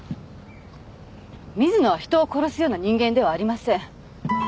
水野は人を殺すような人間ではありません。